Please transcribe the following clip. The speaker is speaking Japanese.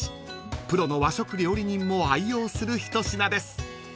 ［プロの和食料理人も愛用する一品です］